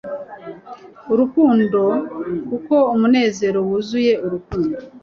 Urukundo kuko umunezero wuzuye urukundo